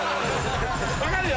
分かるよ。